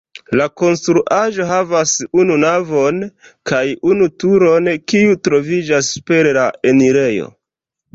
La konstruaĵo havas unu navon kaj unu turon, kiu troviĝas super la enirejo.